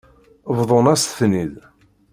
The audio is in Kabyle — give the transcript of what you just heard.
Bḍan-as-ten-id.